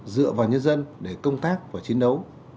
dựa vào nhân dân để công tác và chiến đấu